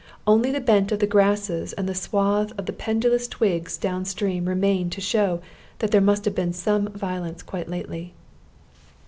Only the bent of the grasses and the swath of the pendulous twigs down stream remained to show that there must have been some violence quite lately.